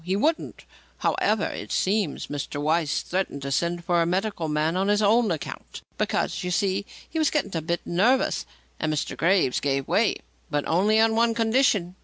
He wouldn't. However, it seems Mr. Weiss threatened to send for a medical man on his own account, because, you see, he was getting a bit nervous; and then Mr. Graves gave way. But only on one condition.